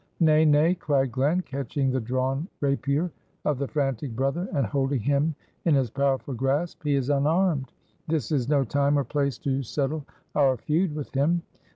"Nay, nay," cried Glen, catching the drawn rapier of the frantic brother, and holding him in his powerful grasp; "he is unarmed; this is no time or place to settle our feud with him.